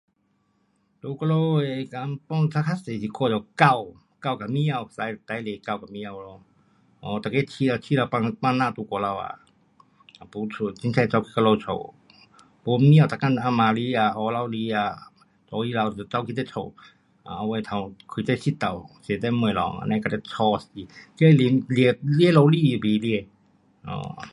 在我们的 kampung 哒较多是看到狗，狗跟猫，最多狗跟猫咯，um 每个养了养了，放，放那在外头啊，也没家的，随便跑去我们家，不猫每天，下午啊，晚上啊，早起啊，去你家，后尾开这食盖，跟你吵死，这连抓老鼠都不抓。um